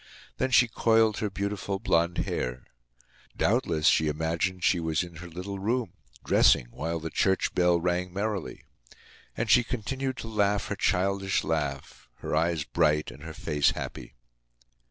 Then she coiled her beautiful blonde hair. Doubtless, she imagined she was in her little room, dressing while the church bell rang merrily. And she continued to laugh her childish laugh, her eyes bright and her face happy.